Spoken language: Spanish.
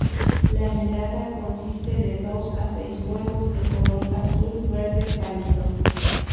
La nidada consiste de dos a seis huevos de color azul-verde pálido.